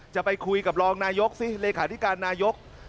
จะไปคุยกับรองนายกสิเลขาธิการนายก